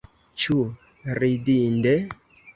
Ĉu ridinde?